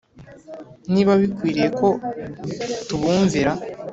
niba bikwiriye ko tubumvira